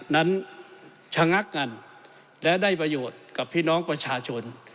นั้นชะงักกันและได้ประโยชน์กับพี่น้องประชาชน